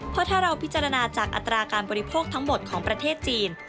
เพราะถ้าเราพิจารณาจากอัตราการบริโภคทั้งหมดของประเทศจีน